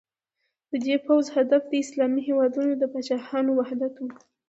د دې پوځ هدف د اسلامي هېوادونو د پاچاهانو وحدت و.